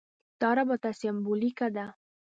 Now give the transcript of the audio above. دا رابطه سېمبولیکه ده.